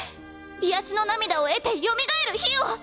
癒やしの涙を得てよみがえる日を！